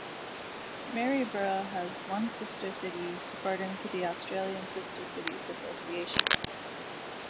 Maryborough has one sister city, according to the Australian Sister Cities Association.